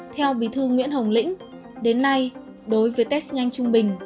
theo bí thư nguyễn hồng lĩnh đến nay đối với test nhanh trung bình